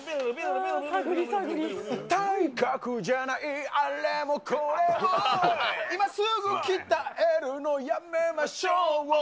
体格じゃないあれもこれも今すぐ鍛えるのやめましょう。